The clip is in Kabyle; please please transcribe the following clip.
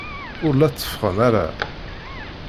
Ur la tteffɣen ara.